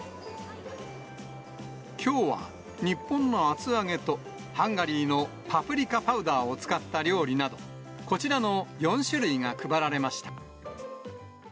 きょうは日本の厚揚げと、ハンガリーのパプリカパウダーを使った料理など、こちらの４種類が配られました。